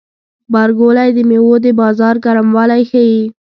غبرګولی د میوو د بازار ګرموالی ښيي.